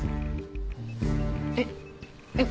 えっえっ？